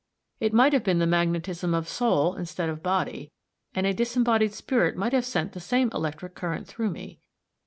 It might be the magnetism of soul instead of body, and a disembodied spirit might have sent the same electric current through me.